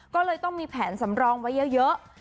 ก็เลยต้องมีแผนสำรองไว้เยอะ